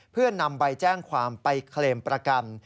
เพื่อนำใบแจ้งความไปเคลมประกัน